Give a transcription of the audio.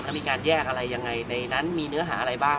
แล้วมีการแยกอะไรยังไงในนั้นมีเนื้อหาอะไรบ้าง